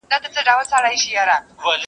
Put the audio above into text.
پېړۍ په ویښه د کوډګرو غومبر وزنګول.